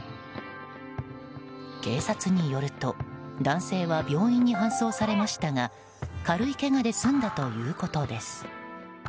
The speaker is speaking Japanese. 警察によると男性は病院に搬送されましたが軽いけがで済んだということです。